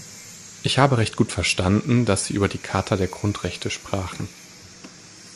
Ich habe recht gut verstanden, dass Sie über die Charta der Grundrechte sprachen.